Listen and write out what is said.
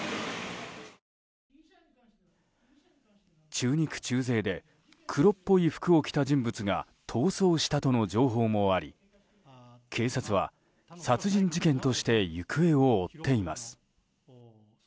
中肉中背で黒っぽい服を着た人物が逃走したとの情報もあり警察は殺人事件として行方を追っています。